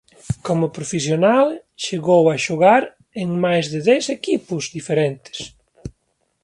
Como profesional chegou a xogar en máis de dez equipos diferentes.